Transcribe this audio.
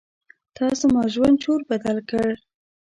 تا زما ژوند چور بدل کړ.